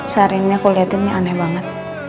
sehari ini aku liatinnya aneh banget